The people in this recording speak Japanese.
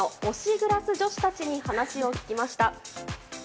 グラス女子たちに話を聞きました。